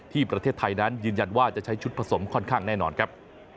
ประเทศไทยนั้นยืนยันว่าจะใช้ชุดผสมค่อนข้างแน่นอนครับ